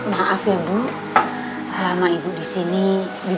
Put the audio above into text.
gak usah ntar